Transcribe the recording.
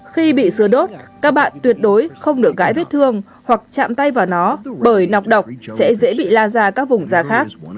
khi bị dứa đốt các bạn tuyệt đối không được gãi vết thương hoặc chạm tay vào nó bởi nọc độc sẽ dễ bị la ra các vùng da khác